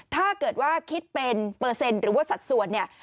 ถ้าเกิดว่าคิดเป็นเปอร์เซ็นต์หรือว่าสัดส่วนเนี่ย